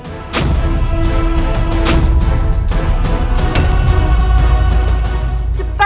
tepaskan nyi iroh